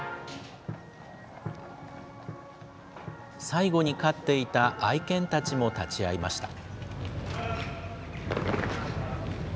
最後に飼っていた愛犬たちも立ち会いました。